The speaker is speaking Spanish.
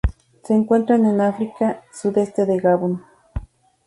Se encuentran en África: sudeste de Gabón.